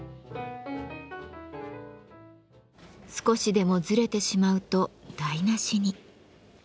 少しでもずれてしまうと台なしに。